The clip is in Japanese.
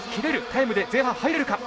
タイムで前半入れるか。